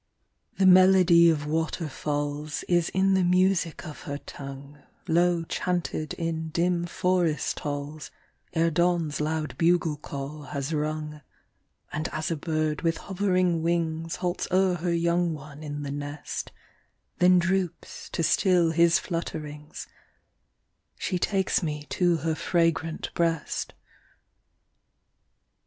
54 SHE COMES AS SUMMER NIGHT ii The melody of waterfalls Is in the music of her tongue, Low chanted in dim forest halls Ere Dawn's loud bugle call has rung. And as a bird with hovering wings Halts o'er her young one in the nest, Then droops to still his flutterings, She takes me to her fragrant breast.